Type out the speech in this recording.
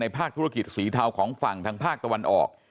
ภาคธุรกิจสีเทาของฝั่งทางภาคตะวันออก